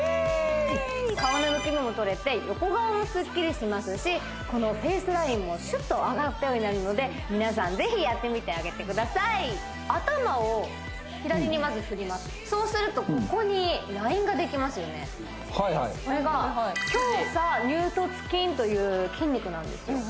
顔のむくみもとれて横顔もスッキリしますしこのフェースラインもシュッと上がったようになるので皆さんぜひやってみてあげてください頭を左にまず振りますそうするとここにラインができますよねこれが胸鎖乳突筋という筋肉なんですよ